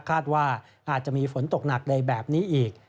คาดว่าอาจจะมีฝนตกหนักในแบบนี้อีก